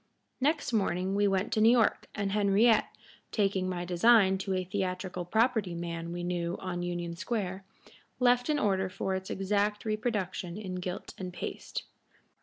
Next morning we went to New York, and Henriette, taking my design to a theatrical property man we knew on Union Square, left an order for its exact reproduction in gilt and paste.